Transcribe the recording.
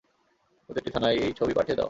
প্রতিটা থানায় এই ছবি পাঠিয়ে দাও।